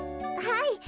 はい。